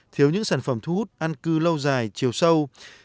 thiếu những sản phẩm thu hút ăn cư lâu dài chiều sâu